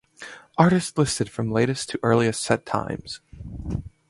Artists listed from latest to earliest set times.